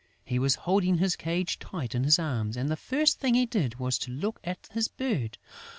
He was holding his cage tight in his arms; and the first thing he did was to look at his bird....